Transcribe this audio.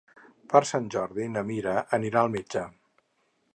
Per Sant Jordi na Mira anirà al metge.